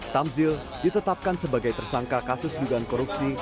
tamzil ditetapkan sebagai tersangka kasus dugaan korupsi